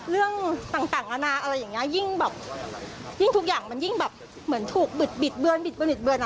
เรื่องต่างอาณาอะไรอย่างนี้ยิ่งแบบยิ่งทุกอย่างมันยิ่งแบบเหมือนถูกบิดเบือน